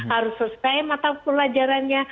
harus selesai mata pelajarannya